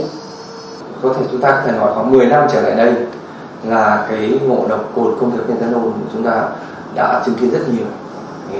có thể chúng ta có thể nói khoảng một mươi năm trở lại đây là cái ngộ độc của công thức methanol chúng ta đã chứng kiến rất nhiều